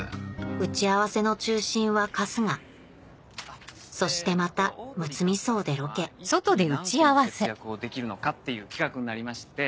打ち合わせの中心は春日そしてまたむつみ荘でロケ一気に何個の節約をできるのかっていう企画になりまして。